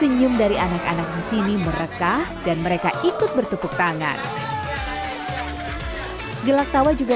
iya bentar lagi